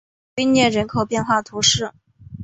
威涅人口变化图示